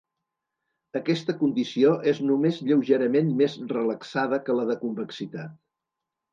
Aquesta condició és només lleugerament més relaxada que la de convexitat.